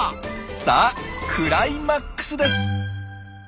さあクライマックスです！